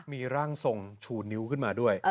มีร่างทรงชูนิ้วขึ้นมาด้วย